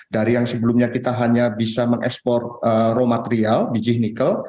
dari yang sebelumnya kita hanya bisa mengekspor raw material biji nikel